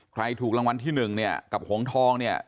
ใครถูกรางวัลที่หนึ่งเนี่ยกับหงทองเนี่ย